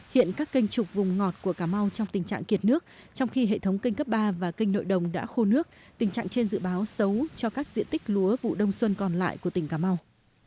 hiện các kênh trục vùng ngọt của cà mau trong tình trạng kiệt nước trong khi hệ thống kênh cấp ba và kênh nội đồng đã khô nước tình trạng trên dự báo xấu cho các diện tích lúa vụ đông xuân còn lại của tỉnh cà mau